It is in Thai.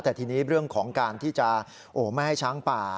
แต่ทีนี้เรื่องของการที่จะไม่ให้ช้างป่า